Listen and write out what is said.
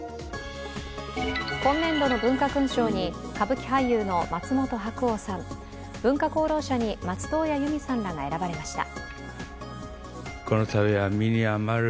今年度の文化勲章に歌舞伎俳優の松本白鸚さん、文化功労者に松任谷由実さんらが選ばれました。